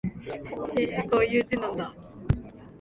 へえ、こういう字なんだ